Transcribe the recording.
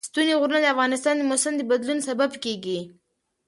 ستوني غرونه د افغانستان د موسم د بدلون سبب کېږي.